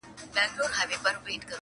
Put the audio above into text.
د بخشش او د ستایلو مستحق دی,